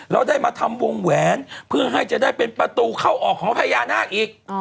เราได้มาทำวงแหวนเพื่อให้จะได้เป็นประตูเข้าออกของพญานาคอีก